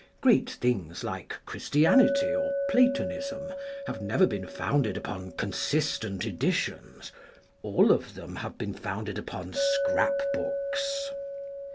Great things like Christianity or Platonism have never been founded upon consistent editions ; all of them have been founded upon scrap books.